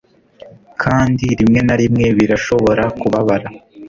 kandi rimwe na rimwe birashobora kubabara